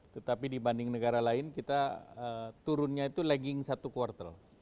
tetapi dibanding negara lain kita turunnya itu lagging satu kuartal